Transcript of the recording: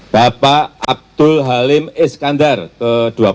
bapak abdul halim iskandar ke dua puluh satu